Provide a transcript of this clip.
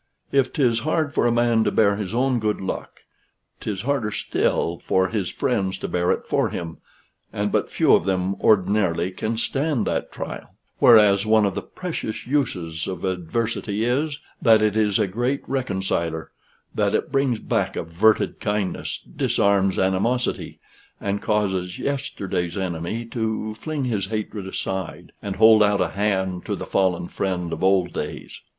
If 'tis hard for a man to bear his own good luck, 'tis harder still for his friends to bear it for him and but few of them ordinarily can stand that trial: whereas one of the "precious uses" of adversity is, that it is a great reconciler; that it brings back averted kindness, disarms animosity, and causes yesterday's enemy to fling his hatred aside, and hold out a hand to the fallen friend of old days.